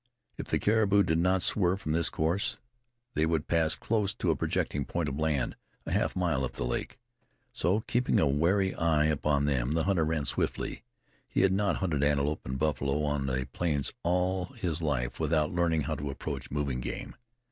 If the caribou did not swerve from this course they would pass close to a projecting point of land, a half mile up the lake. So, keeping a wary eye upon them, the hunter ran swiftly. He had not hunted antelope and buffalo on the plains all his life without learning how to approach moving game.